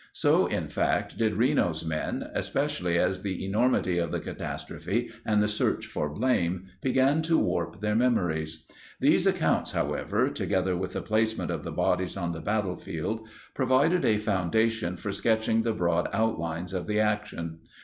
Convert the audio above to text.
So, in fact, did Reno's men, especially as the enormity of the catastrophe and the search for blame began to warp their memories. These accounts, however, together with the placement of the bodies on the battlefield, provide a foundation for sketching the broad out lines of the action.